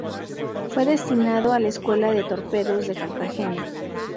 Fue destinado a la Escuela de Torpedos de Cartagena.